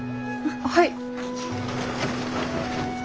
はい。